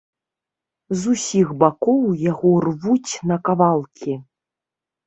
З усіх бакоў яго рвуць на кавалкі.